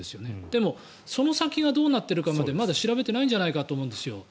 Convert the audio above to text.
でもその先がどうなっているかまでまだ調べてないんじゃないかと思うんですよ。